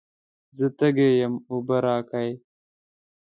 زه تږی یم، اوبه راکئ.